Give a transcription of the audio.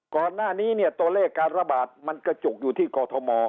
ก่อนหน้านี้เนี่ยตัวเลขการระบาดมันกระจุกอยู่ที่กอทม